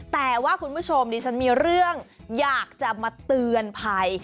แต่ว่าคุณผู้ชมดิฉันมีเรื่องอยากจะมาเตือนภัย